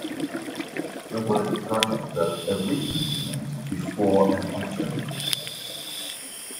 The word "project" thus originally meant "before an action".